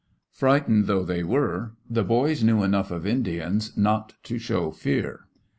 Frightened though they were, the boys knew enough of Indians not to show fear.